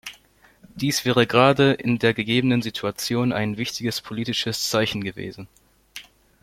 Dies wäre gerade in der gegebenen Situation ein wichtiges politisches Zeichen gewesen.